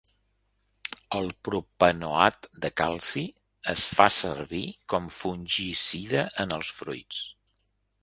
El propanoat de calci es fa servir com fungicida en els fruits.